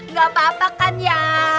nggak apa apa kan ya